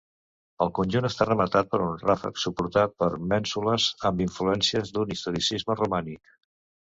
El conjunt està rematat per un ràfec suportat per mènsules amb influències d'un historicisme romànic.